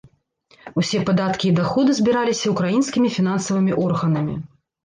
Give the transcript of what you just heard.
Усе падаткі і даходы збіраліся ўкраінскімі фінансавымі органамі.